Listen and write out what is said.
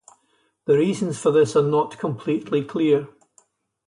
The reasons for this are not completely clear.